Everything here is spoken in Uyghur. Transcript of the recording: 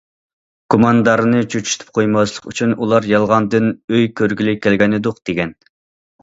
گۇماندارنى چۆچۈتۈپ قويماسلىق ئۈچۈن ئۇلار يالغاندىن ئۆي كۆرگىلى كەلگەنىدۇق دېگەن.